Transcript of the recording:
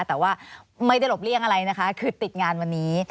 แต่ว่าไม่ได้หลบเลี่ยงอะไรนะคะคือติดงานวันนี้